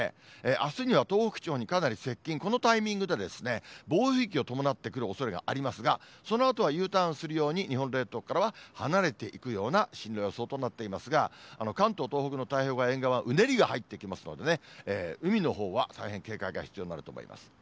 あすには東北地方にかなり接近、このタイミングでですね、暴風域を伴ってくるおそれがありますが、そのあとはＵターンするように、日本列島からは離れていくような進路予想となっていますが、関東、東北の太平洋沿岸はうねりが入ってきますので、海のほうは大変警戒が必要になると思います。